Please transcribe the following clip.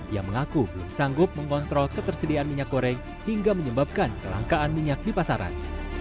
ia mengaku belum sanggup mengontrol ketersediaan minyak goreng hingga menyebabkan kelangkaan minyak di pasaran